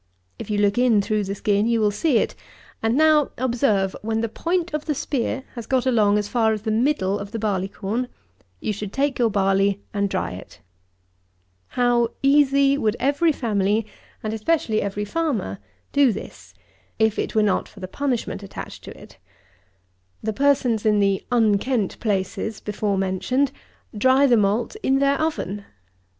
If you look in through the skin, you will see it; and now observe; when the point of the spear has got along as far as the middle of the barley corn, you should take your barley and dry it. How easy would every family, and especially every farmer, do this, if it were not for the punishment attached to it! The persons in the "unkent places" before mentioned, dry the malt in their oven!